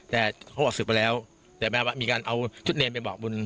แต่เขาออกศึกไปแล้วแต่แม้ว่ามีการเอาชุดเนรไปบอกบุญ